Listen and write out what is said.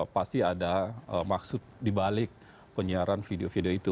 pasti ada maksud dibalik penyiaran video video itu